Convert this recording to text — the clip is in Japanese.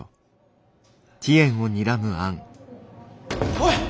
おい！